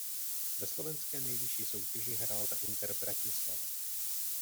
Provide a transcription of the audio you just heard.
Ve slovenské nejvyšší soutěži hrál za Inter Bratislava.